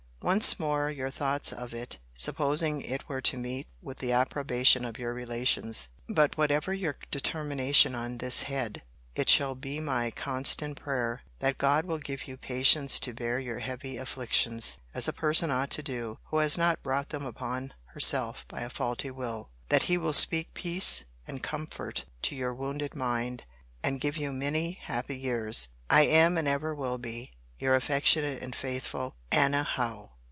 Once more your thoughts of it, supposing it were to meet with the approbation of your relations. But whatever be your determination on this head, it shall be my constant prayer, that God will give you patience to bear your heavy afflictions, as a person ought to do who has not brought them upon herself by a faulty will: that He will speak peace and comfort to your wounded mind; and give you many happy years. I am, and ever will be, Your affectionate and faithful ANNA HOWE.